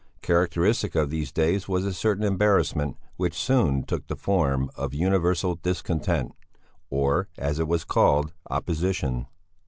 Characteristic of these days was a certain embarrassment which soon took the form of universal discontent or, as it was called, opposition.